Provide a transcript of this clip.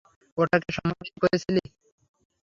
ওটাকে সম্মোহিত করেছিলি?